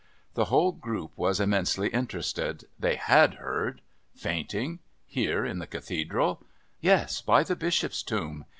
The whole group was immensely interested. They had heard.... Fainting? Here in the Cathedral? Yes, by the Bishop's Tomb.